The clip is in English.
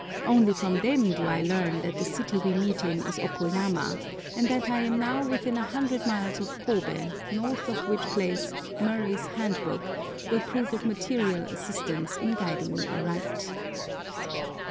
Only from them do I learn that the city we meet in is Okoyama, and that I am now within a hundred miles of Kobe, north of which place "Murray's Handbook" will prove of material assistance in guiding me aright.